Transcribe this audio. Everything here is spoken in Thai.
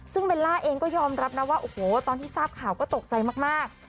ซึ่งเบลล่าเองก็ยอมรับนะว่าโอ้โหตอนที่ทราบข่าวก็ตกใจมาก